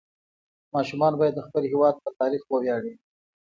ماشومان باید د خپل هېواد په تاریخ وویاړي.